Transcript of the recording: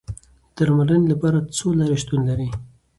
د درملنې لپاره څو لارې شتون لري.